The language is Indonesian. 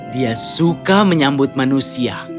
dia suka menyambut manusia